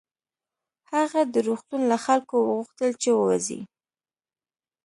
هغه د روغتون له خلکو وغوښتل چې ووځي